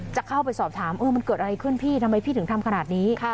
จะเข้าไปสอบถามมันเกิดอะไรขึ้นพี่ทำไมพี่ถึงทำขนาดนี้